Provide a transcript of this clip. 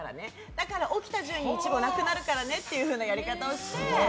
だから、起きた順にイチゴなくなるからねってやり方をして。